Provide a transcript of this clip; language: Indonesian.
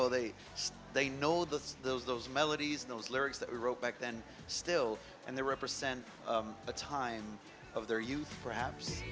dan mereka merupakan waktu kemuliaan mereka